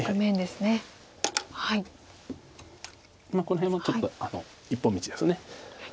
この辺はちょっと一本道です。